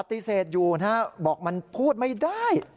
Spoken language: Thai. ปฏิเสธอยู่นะครับบอกมันพูดไม่ได้